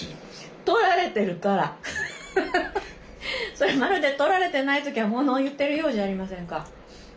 それまるで撮られてない時はものを言ってるようじゃありませんか。